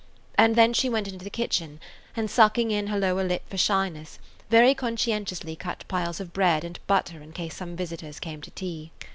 And then she went into the kitchen and, sucking in her lower lip for shyness, very conscientiously cut piles of bread and butter in case some visitors came to tea.